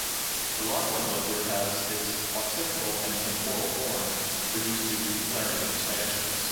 The rock horned lizard has its occipital and temporal horns reduced to flaring expansions.